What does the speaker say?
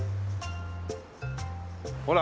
ほら！